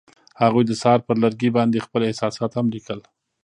هغوی د سهار پر لرګي باندې خپل احساسات هم لیکل.